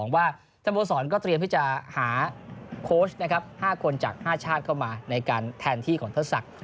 ว่าสโมสรก็เตรียมที่จะหาโค้ชนะครับ๕คนจาก๕ชาติเข้ามาในการแทนที่ของเทิดศักดิ์